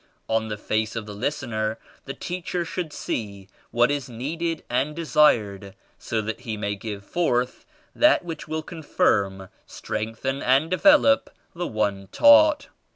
On the face of the listener, the teacher should see what is needed and desired so that he may give forth that which will confirm, strengthen and develop the one taught.